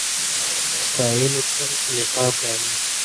ستایلو تر نقاب لاندي.